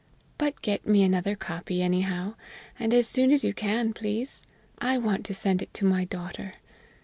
But get me another copy, anyhow and as soon as you can, please. I want to send it to my daughter.